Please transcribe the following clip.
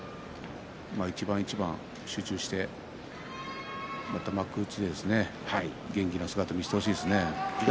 まあ一番一番、集中してまた幕内で元気な姿を見せてほしいですね。